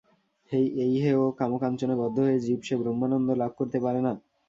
এই হেয় কামকাঞ্চনে বদ্ধ হয়ে জীব সে ব্রহ্মানন্দ লাভ করতে পারে না।